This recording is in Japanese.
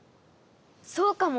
そうかも。